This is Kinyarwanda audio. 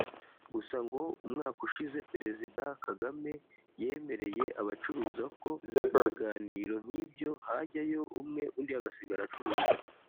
Gusa ngo umwaka ushize Perezida kagame yemereye abacuruza ko mu biganiro nk’ibyo hajyayo umwe undi agasigara acuruza